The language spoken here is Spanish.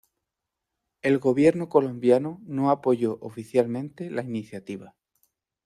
El gobierno colombiano no apoyó oficialmente la iniciativa.